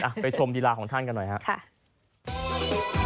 ไปชมลีลาของท่านกันหน่อยครับ